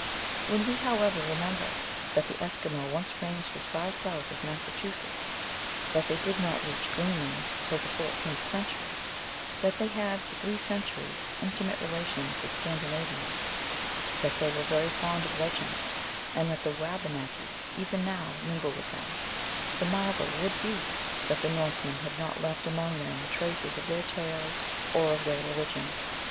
When we, however, remember that the Eskimo once ranged as far south as Massachusetts, that they did not reach Greenland till the fourteenth century, that they had for three centuries intimate relations with Scandinavians, that they were very fond of legends, and that the Wabanaki even now mingle with them, the marvel would be that the Norsemen had not left amons: them traces of their O tales or of their religion.